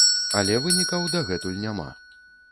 Але вынікаў дагэтуль няма.